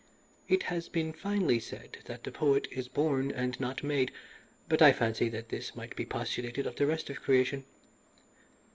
"It has been finely said that the poet is born and not made, but I fancy that this might be postulated of the rest of creation.